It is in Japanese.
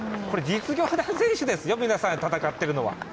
実業団選手ですよ、皆さん戦ってるのは。